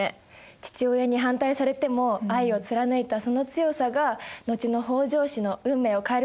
父親に反対されても愛を貫いたその強さが後の北条氏の運命を変えることになったかもしれないんだよね。